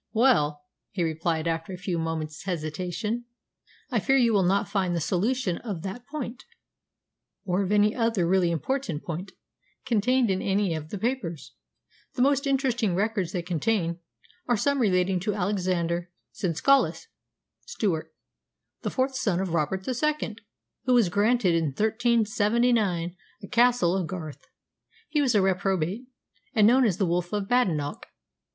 "Well," he replied after a few moments' hesitation, "I fear you will not find the solution of that point, or of any other really important point, contained in any of the papers. The most interesting records they contain are some relating to Alexander Senescallus (Stewart), the fourth son of Robert II., who was granted in 1379 a Castle of Garth. He was a reprobate, and known as the Wolf of Badenoch.